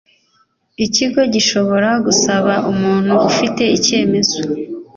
Ikigo gishobora gusaba umuntu ufite icyemezo